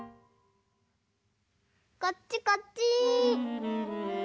こっちこっち！